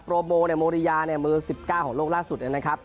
โปรโมโมรียามือ๑๙ของโลกล่าสุดนะครับ